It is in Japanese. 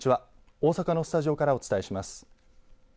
大阪のスタジオからお伝えします。